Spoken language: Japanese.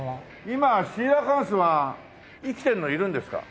今シーラカンスは生きてるのいるんですか？